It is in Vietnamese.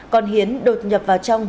còn hiến đột nhập vào trong